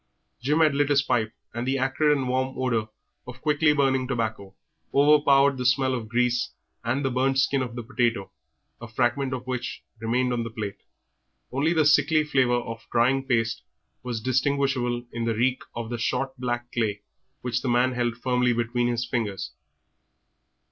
Jim had lit his pipe, and the acrid and warm odour of quickly burning tobacco overpowered the smell of grease and the burnt skin of the baked potato, a fragment of which remained on the plate; only the sickly flavour of drying paste was distinguishable in the reek of the short black clay which the man held firmly between his teeth.